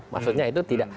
maksudnya itu tidak